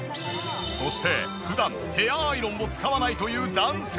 そして普段ヘアアイロンを使わないという男性も。